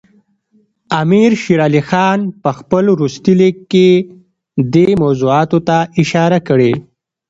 امیر شېر علي خان په خپل وروستي لیک کې دې موضوعاتو ته اشاره کړې.